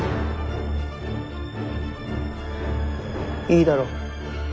いいだろう。